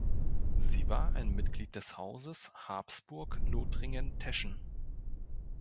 Sie war ein Mitglied des Hauses Habsburg-Lothringen-Teschen.